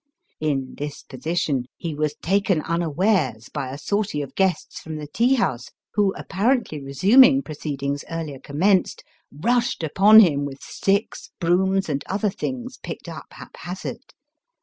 * In this position he was taken unawares by a sortie of guests from the tea house who, apparently re suming proceedings earlier commenced, rushed upon him with sticks, brooms, and other things picked up haphazard.